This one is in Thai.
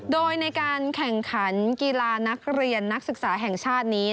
โดยในการแข่งขันกีฬานักเรียนนักศึกษาแห่งชาตินี้